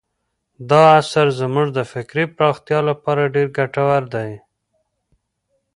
دا اثر زموږ د فکري پراختیا لپاره ډېر ګټور دی.